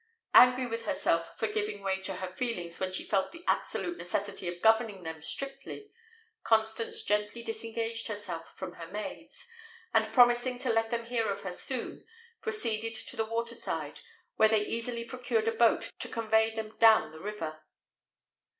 Angry with herself for giving way to her feelings when she felt the absolute necessity of governing them strictly, Constance gently disengaged herself from her maids, and promising to let them hear of her soon, proceeded to the water side, where they easily procured a boat to convey them down the river.